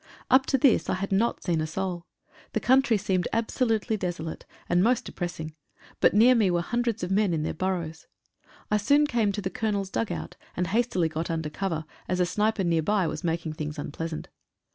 Up to this I had not seen a soul. The country seemed absolutely desolate, and most depressing — but near me were hundreds of men in their burrows. I soon came to the Colonel's dug out, and hastily got under cover, as a sniper near by was making things unpleasant.